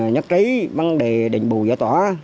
nhất trí vấn đề định bù giải tỏa